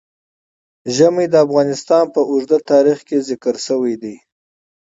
ژمی د افغانستان په اوږده تاریخ کې ذکر شوی دی.